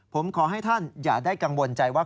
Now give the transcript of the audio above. ผมขอให้ท่านอย่าได้กังวลใจว่า